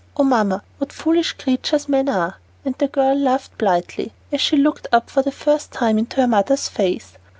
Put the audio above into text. Oh, Mamma, what foolish creatures men are!" And the girl laughed blithely, as she looked up for the first time into her mother's face.